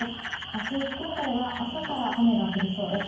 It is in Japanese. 明日、福岡では朝から雨が降りそうです。